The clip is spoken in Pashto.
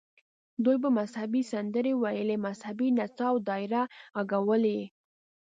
دوی به مذهبي سندرې ویلې، مذهبي نڅا او دایره غږول یې.